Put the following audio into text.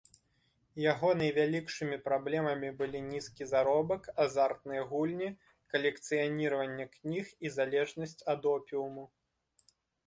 Яго найвялікшымі праблемамі былі нізкі заробак, азартныя гульні, калекцыяніраванне кніг і залежнасць ад опіуму.